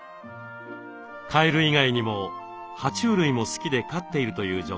カエル以外にもは虫類も好きで飼っているという女性。